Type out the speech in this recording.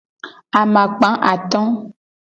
Amakpa ato.